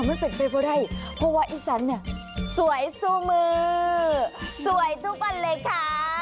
มันเป็นไปเพราะอะไรเพราะว่าอีซันเนี่ยสวยสู้มือสวยทุกวันเลยค่ะ